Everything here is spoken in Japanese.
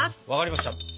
わかりました。